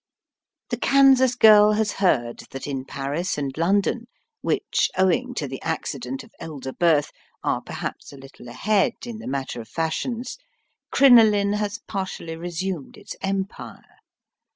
The Kansas girl has heard that in Paris and London, which, owing to the accident of elder birth, are perhaps a little ahead in the matter of fashions, crinoline has partially resumed its empire.